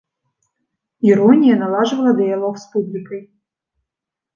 Іронія наладжвала дыялог з публікай.